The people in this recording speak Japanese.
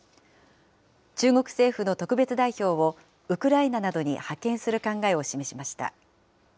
中国政府の特別代表をウクライナなどに派遣する考えを示しました。